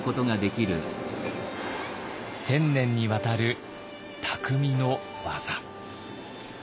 １，０００年にわたる匠の技。